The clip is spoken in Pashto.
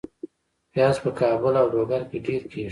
پیاز په کابل او لوګر کې ډیر کیږي